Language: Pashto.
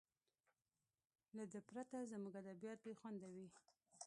له ده پرته زموږ ادبیات بې خونده وي.